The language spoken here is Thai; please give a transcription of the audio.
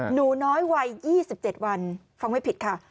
หนูน้อยวัยยี่สิบเจ็ดวันฟังไม่ผิดค่ะ